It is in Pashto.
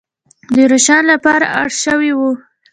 د راشن لپاره اړ شوې وه.